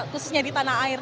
khususnya di tanah air